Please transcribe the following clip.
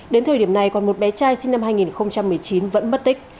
đến thời điểm này còn một bé trai sinh năm hai nghìn một mươi chín vẫn mất tích